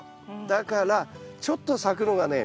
だからちょっと咲くのがね面倒です。